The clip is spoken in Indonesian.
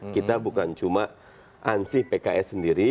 kita bukan cuma ansih pks sendiri